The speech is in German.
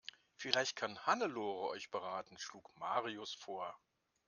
Vielleicht kann Hannelore euch beraten, schlug Marius vor.